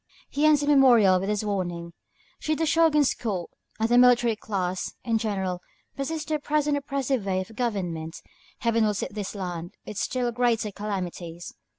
He ends his memorial with this warning: "Should the Shōgun's court, and the military class in general, persist in the present oppressive way of government, Heaven will visit this land with still greater calamities.